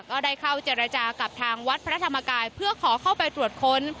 ก็ได้เข้าเจรจากับทางวัดพระธรรมกายเพื่อขอเข้าไปตรวจค้น